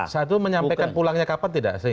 saat itu menyampaikan pulangnya kapan tidak